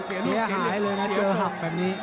เสียหายเลยนะเจอสับแบบนี้